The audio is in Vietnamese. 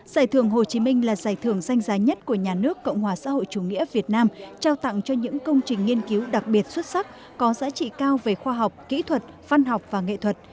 giải thưởng hồ chí minh là giải thưởng danh giá nhất của nhà nước cộng hòa xã hội chủ nghĩa việt nam trao tặng cho những công trình nghiên cứu đặc biệt xuất sắc có giá trị cao về khoa học kỹ thuật văn học và nghệ thuật